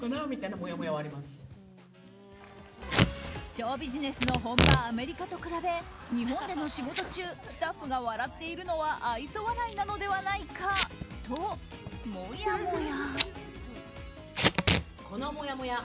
ショービジネスの本場アメリカと比べ日本での仕事中スタッフが笑っているのは愛想笑いなのではないかともやもや。